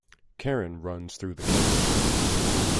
Karen runs through the camp.